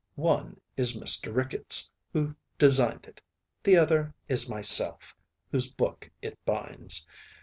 One is Mr. Ricketts, who designed it, the other is myself, whose book it binds.